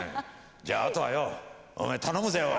じゃああとはよおめえ頼むぜおい！